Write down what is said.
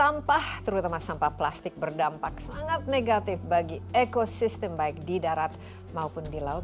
sampah terutama sampah plastik berdampak sangat negatif bagi ekosistem baik di darat maupun di laut